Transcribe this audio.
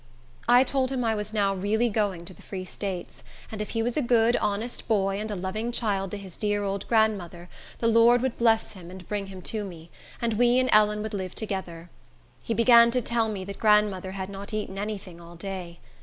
I told him I was now really going to the Free States, and if he was a good, honest boy, and a loving child to his dear old grandmother, the Lord would bless him, and bring him to me, and we and Ellen would live together. He began to tell me that grandmother had not eaten any thing all day.